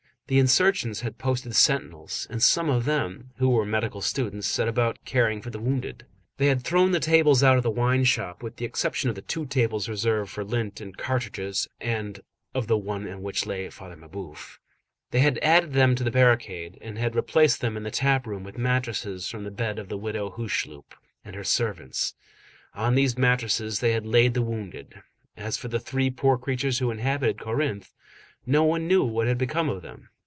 The insurgents had posted sentinels, and some of them, who were medical students, set about caring for the wounded. They had thrown the tables out of the wine shop, with the exception of the two tables reserved for lint and cartridges, and of the one on which lay Father Mabeuf; they had added them to the barricade, and had replaced them in the tap room with mattresses from the bed of the widow Hucheloup and her servants. On these mattresses they had laid the wounded. As for the three poor creatures who inhabited Corinthe, no one knew what had become of them.